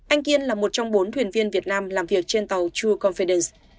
anh kiên là một trong bốn thuyền viên việt nam làm việc trên tàu true confidence